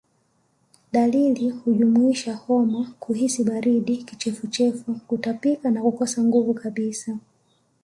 Dalili hujumuisha homa kuhisi baridi kichefuchefu Kutapika na kukosa nguvu kabisa